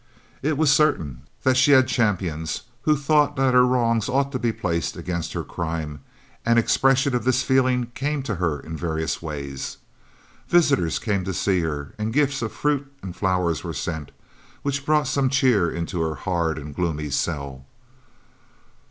It was certain that she had champions who thought that her wrongs ought to be placed against her crime, and expressions of this feeling came to her in various ways. Visitors came to see her, and gifts of fruit and flowers were sent, which brought some cheer into her hard and gloomy cell.